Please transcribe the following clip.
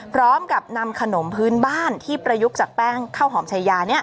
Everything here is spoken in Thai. พร้อมกับนำขนมพื้นบ้านที่ประยุกต์จากแป้งข้าวหอมชายา